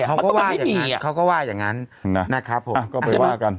อ่ะเขาก็ว่าอย่างงั้นเขาก็ว่าอย่างงั้นนะครับผมอ่ะก็ไปว่ากัน